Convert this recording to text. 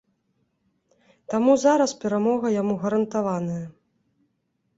Таму зараз перамога яму гарантаваная.